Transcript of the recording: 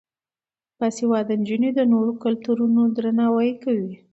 باسواده نجونې د نورو کلتورونو درناوی کوي.